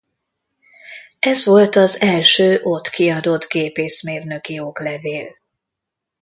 Ez volt az első ott kiadott gépészmérnöki oklevél.